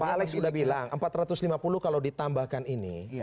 pak alex sudah bilang empat ratus lima puluh kalau ditambahkan ini